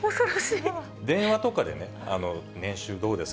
電話とかでね、年収どうですか？